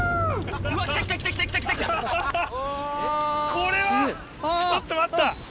さらにちょっと待った！